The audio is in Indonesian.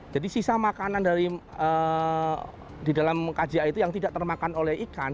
jadi sisa makanan dari di dalam kja itu yang tidak termakan oleh ikan